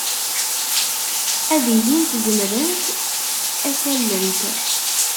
Ad ilint zemrent ad k-allent.